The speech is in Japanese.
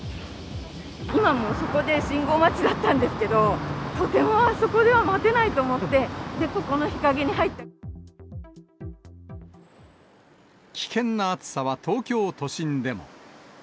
今もう、そこで信号待ちだったんですけれども、とてもあそこでは待てない危険な暑さは東京都心でも。